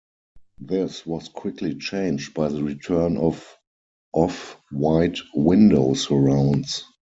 This was quickly changed by the return of off-white window surrounds.